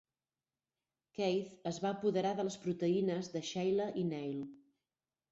Keith es va apoderar de les proteïnes de Sheila i Neil.